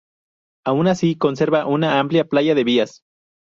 Aun así conserva una amplia playa de vías.